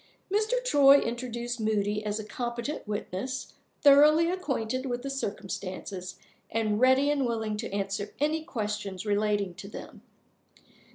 Mr. Troy introduced Moody as a competent witness, thoroughly acquainted with the circumstances, and ready and willing to answer any questions relating to them.